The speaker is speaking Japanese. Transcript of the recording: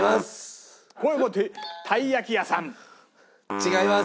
違います。